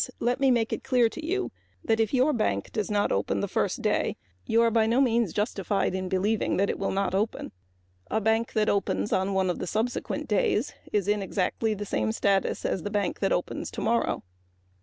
Let me make it clear to you that if your bank does not open the first day you are by no means justified in believing that it will not open. A bank that opens on one of the subsequent days is in exactly the same status as the bank that opens tomorrow.